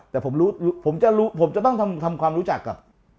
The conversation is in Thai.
แต่ผมรู้ผมจะต้องทำความรู้จักกับ